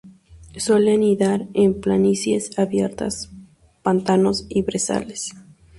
Suele anidar en planicies abiertas, pantanos y brezales.